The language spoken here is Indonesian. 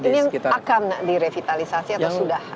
ini yang akan direvitalisasi atau sudah